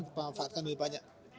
kita memanfaatkan lebih banyak